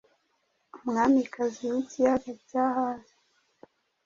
Umwamikazi w'ikibaya cya hazi